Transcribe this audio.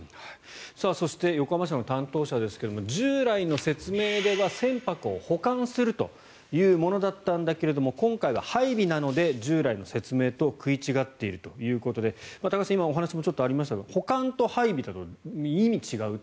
そして横浜市の担当者ですが従来の説明では船舶を保管するというものだったんですが今回は配備なので従来の説明と食い違っているということで高橋さん、保管と配備は意味が違うと。